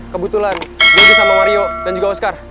kebetulan dia bisa sama mario dan juga oscar